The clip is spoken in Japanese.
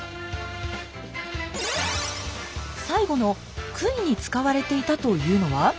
最後の杭に使われていたというのは？